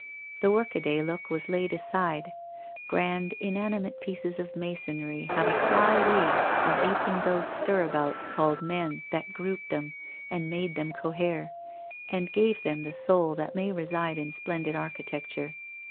The workaday look was laid aside; grand inanimate pieces of masonry have a sly way of aping those stir abouts called men that grouped them and made them cohere, and gave them the soul that may reside in splendid architecture.